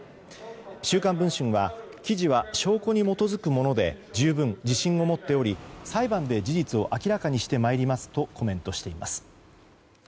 「週刊文春」は記事は証拠に基づくもので十分自信を持っており裁判で事実を明らかにしてまいりますとコメントしています。